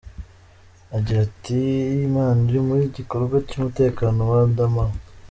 Agira ati “Imana iri muri ikigikorwa cy’umutekano wa Adamawa.